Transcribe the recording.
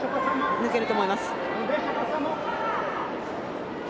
抜けると思います。